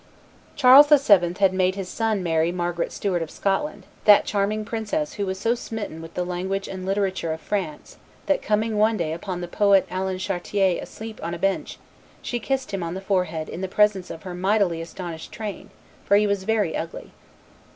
Charles VII. had made his son marry Margaret Stuart of Scotland, that charming princess who was so smitten with the language and literature of France that, coming one day upon the poet Alan Chartier asleep upon a bench, she kissed him on the forehead in the presence of her mightily astonished train, for he was very ugly.